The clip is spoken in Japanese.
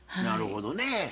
なるほどね。